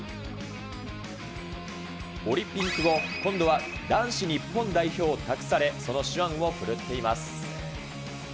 オリンピック後、今度は男子日本代表を託され、その手腕を振るっています。